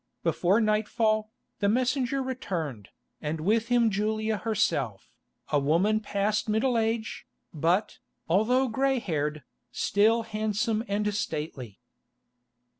Before nightfall, the messenger returned, and with him Julia herself, a woman past middle age, but, although grey haired, still handsome and stately.